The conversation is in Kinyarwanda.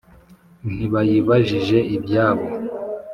ntibayibajije ibyabo